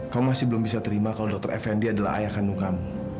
kamu masih belum bisa terima kalau dokter effendi adalah ayah kandung kamu